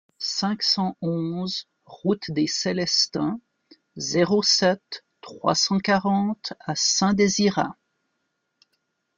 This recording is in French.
cinq cent onze route des Célestins, zéro sept, trois cent quarante à Saint-Désirat